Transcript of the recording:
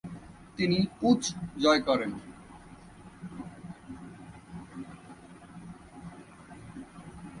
তিনি উচ জয় করেন।